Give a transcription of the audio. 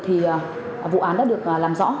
thì vụ án đã được làm rõ